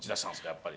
やっぱり。